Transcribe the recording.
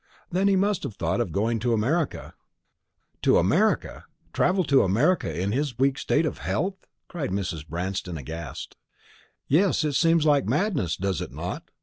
"Then he must have thought of going to America." "To America! travel to America in his weak state of health?" cried Mrs. Branston, aghast. "Yes. It seems like madness, does it not?